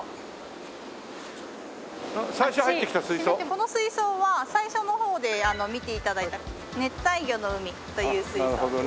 この水槽は最初の方で見て頂いた「熱帯魚の海」という水槽です。